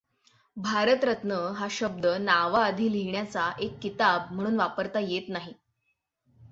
भारतरत्न हा शब्द नावाआधी लिहिण्याचा एक किताब म्हणून वापरता येत नाही.